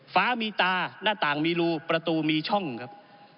ฟ้ามีตาหน้าต่างมีรูประตูมีช่องครับ